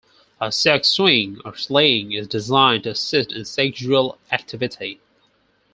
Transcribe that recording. A sex swing or sling is designed to assist in sexual activity.